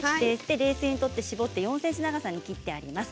冷水に取って絞って４ｃｍ長さに切ってあります。